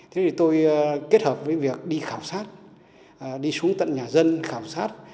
thế thì tôi kết hợp với việc đi khảo sát đi xuống tận nhà dân khảo sát